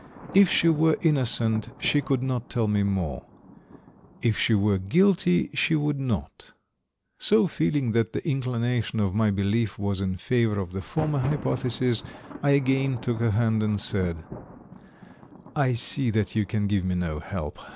If she were innocent she could not tell more, if she were guilty she would not; so feeling that the inclination of my belief was in favor of the former hypothesis, I again took her hand and said: "I see that you can give me no help.